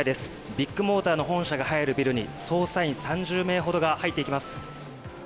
ビッグモーターの本社が入るビルに捜査員３０名ほどが入っていきます。